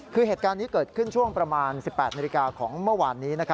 คือเหตุการณ์นี้เกิดขึ้นช่วงประมาณ๑๘นาฬิกาของเมื่อวานนี้